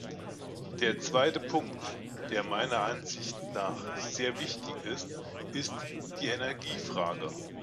Der zweite Punkt, der meiner Ansicht nach sehr wichtig ist, ist die Energiefrage.